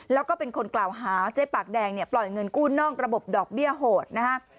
แล้วก็เป็นคนกล่าวหาเจ๊ปากแดงเนี่ยปล่อยเงินกู้นอกระบบดอกเบี้ยโหดนะฮะ